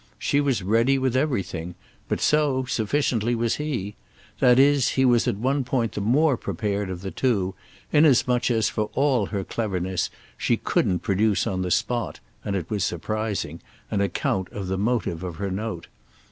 She was ready with everything, but so, sufficiently, was he; that is he was at one point the more prepared of the two, inasmuch as, for all her cleverness, she couldn't produce on the spot—and it was surprising—an account of the motive of her note.